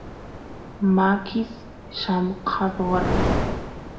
makis llamkadoras